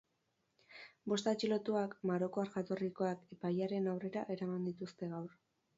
Bost atxilotuak, marokoar jatorrikoak, epailearen aurrera eraman dituzte gaur.